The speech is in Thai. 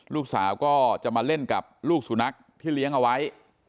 ลูกสาวก็จะมาเล่นกับลูกสุนัขที่เลี้ยงเอาไว้